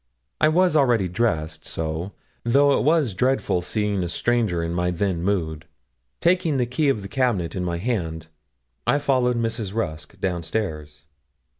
I was already dressed, so, though it was dreadful seeing a stranger in my then mood, taking the key of the cabinet in my hand, I followed Mrs. Rusk downstairs.